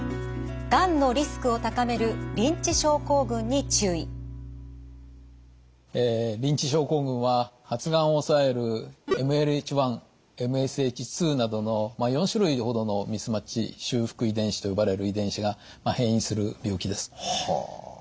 がんのリスクを高めるリンチ症候群は発がんを抑えるＭＬＨ１ＭＳＨ２などの４種類ほどのミスマッチ修復遺伝子と呼ばれる遺伝子が変異する病気です。はあ。